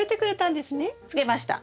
つけました。